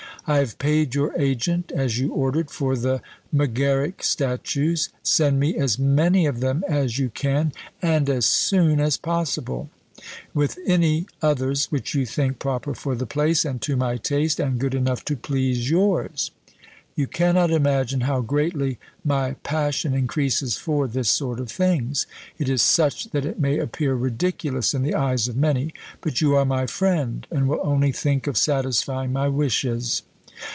"I have paid your agent, as you ordered, for the Megaric statues; send me as many of them as you can, and as soon as possible, with any others which you think proper for the place, and to my taste, and good enough to please yours. You cannot imagine how greatly my passion increases for this sort of things; it is such that it may appear ridiculous in the eyes of many; but you are my friend, and will only think of satisfying my wishes."